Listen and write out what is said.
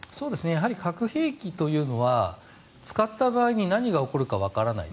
やはり核兵器というのは使った場合に何が起こるかわからない。